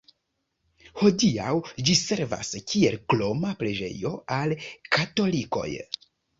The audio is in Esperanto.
Hodiaŭ ĝi servas kiel kroma preĝejo al katolikoj.